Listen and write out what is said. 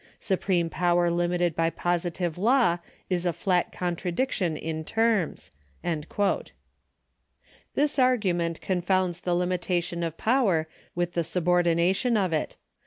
... Supreme power limited by positive law is a flat contradiction in terms." This arginnent confounds the limitation of power with the subordina tion of it.